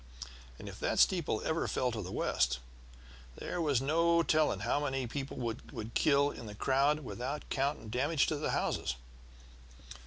And if that steeple ever fell to the west, there was no telling how many people it would kill in the crowd, without counting damage to houses.